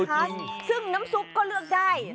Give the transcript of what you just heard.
ซัสซึ่งน้ำซุปก็เลือกได้